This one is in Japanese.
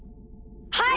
はい！